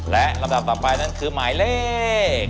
และลำดับต่อไปนั่นคือหมายเลข